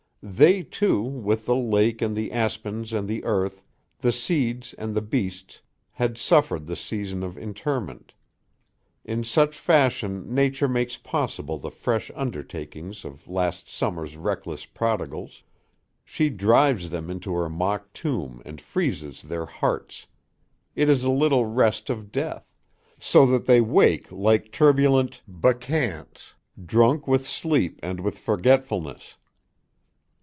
They, too, with the lake and the aspens and the earth, the seeds and the beasts, had suffered the season of interment. In such fashion Nature makes possible the fresh undertakings of last summer's reckless prodigals; she drives them into her mock tomb and freezes their hearts it is a little rest of death so that they wake like turbulent bacchantes drunk with sleep and with forgetfulness.